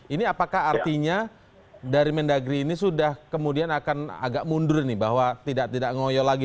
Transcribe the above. ini apakah artinya dari mendagri ini sudah kemudian akan agak mundur nih bahwa tidak ngoyo lagi